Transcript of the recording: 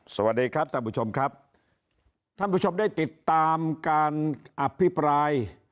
สวัสดีครับท่านผู้ชมครับท่านผู้ชมได้ติดตามการอภิปราย